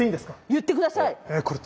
言ってください！